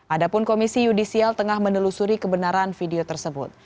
ada pun komisi yudisial tengah menelusuri kebenaran video tersebut